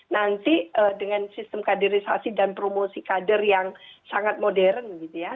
nanti dengan sistem kaderisasi dan promosi kader yang sangat modern gitu ya